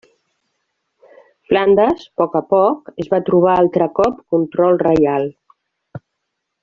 Flandes, a poc a poc, es va trobar altre cop control reial.